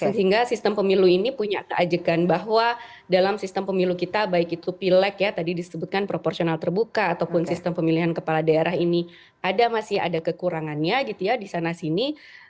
sehingga sistem pemilu ini punya keajekan bahwa dalam sistem pemilu kita baik itu pilek ya tadi disebutkan proporsional terbuka ataupun sistem pemilihan kepala daerah ini ada masih ada kekurangannya gitu ya di sana sini